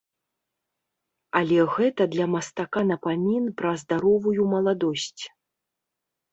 Але гэта для мастака напамін пра здаровую маладосць.